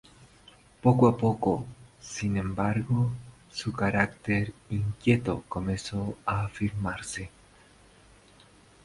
Poco a poco, sin embargo, su carácter inquieto comenzó a afirmarse.